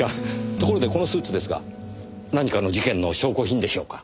ところでこのスーツですが何かの事件の証拠品でしょうか？